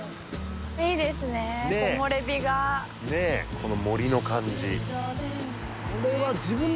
この森の感じ